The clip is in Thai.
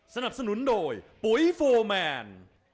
สนับสนุนโดยปุ๋ยโฟร์แมน